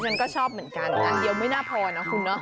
ฉันก็ชอบเหมือนกันอันเดียวไม่น่าพอนะคุณเนาะ